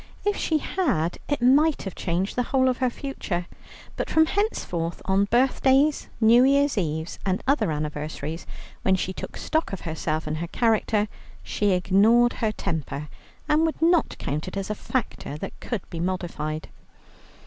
If she had, it might have changed the whole of her future. But from henceforth, on birthdays, New Year's Eves, and other anniversaries, when she took stock of herself and her character, she ignored her temper, and would not count it as a factor that could be modified.